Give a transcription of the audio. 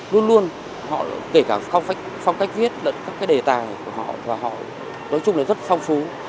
luôn luôn họ kể cả phong cách viết lẫn các cái đề tài của họ và họ nói chung là rất phong phú